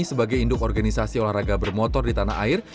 sebagai induk organisasi olahraga bermotor di tanah air